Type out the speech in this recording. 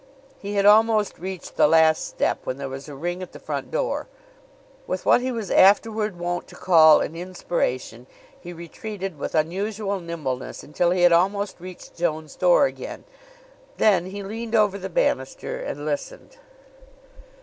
He had almost reached the last step when there was a ring at the front door. With what he was afterward wont to call an inspiration, he retreated with unusual nimbleness until he had almost reached Joan's door again. Then he leaned over the banister and listened.